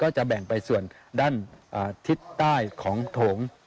จะแบ่งไปส่วนด้านทิศใต้ของโถง